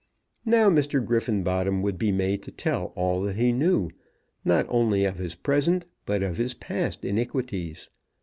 Now Mr. Griffenbottom would be made to tell all that he knew, not only of his present, but of his past, iniquities.